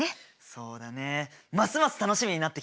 そうだねますます楽しみになってきたね！